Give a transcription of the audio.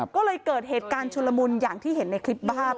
ก็เลยเกิดเหตุการณ์ชุลมุนอย่างที่เห็นในคลิปภาพ